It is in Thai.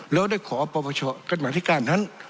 แล้วได้ขอปรปชกันมาธิการนั้น